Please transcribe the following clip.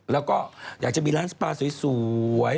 แล้วก็อยากจะมีร้านสปาสวย